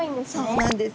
そうなんです。